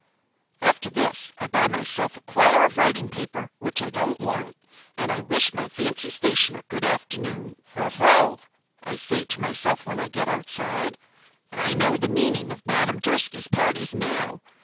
After this I buy myself a quire of writing paper, which I don't want, and I wish my fancy stationer good afternoon. 'Oh, oh,' I say to myself when I get outside, 'I know the meaning of Madame Durski's parties now.